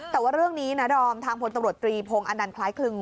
แต่ว่าเรื่องนี้นะดอมทางพลตำรวจตรีพงศ์อนันต์คล้ายคลึง